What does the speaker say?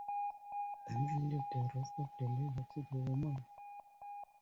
The men leave the rest of the labor to the women.